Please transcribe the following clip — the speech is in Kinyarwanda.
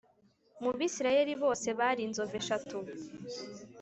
mu Bisirayeli bose bari inzovu eshatu